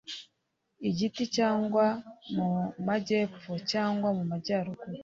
igiti, cyagwa mu majyepfo cyangwa mu majyaruguru